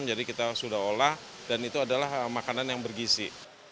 jadi kita sudah olah dan itu adalah makanan yang bergisi